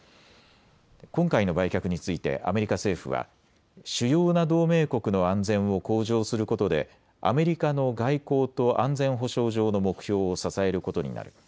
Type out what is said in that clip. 今回の売却についてアメリカ政府は主要な同盟国の安全を向上することでアメリカの外交と安全保障上の目標を支えることになる。